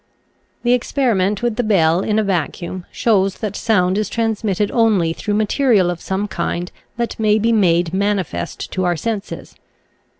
The experiment with the bell in a vacuum shows that sound is transmitted only through material of some kind that may be made manifest to our senses.